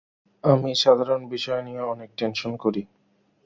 আমি সাধারণ বিষয় নিয়ে অনেক টেনশন করি।